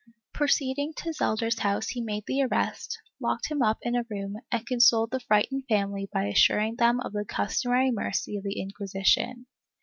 Proceeding to Xelder's house he made the arrest, locked him up in a room and consoled the frightened family by assuring them of the customary mercy of the Inquisition.